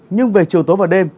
nhưng về chiều tối và đêm